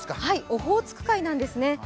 オホーツク海なんですね。